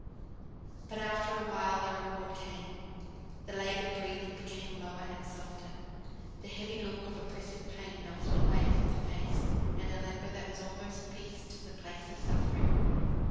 But after awhile the reward came. The laboured breathing became lower and softer, the heavy look of oppressive pain melted away from the face, and a languor that was almost peace took the place of suffering.